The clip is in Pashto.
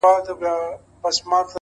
o ما له یوې هم یوه ښه خاطره و نه لیده ـ